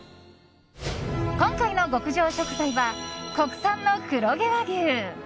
今回の極上食材は国産の黒毛和牛。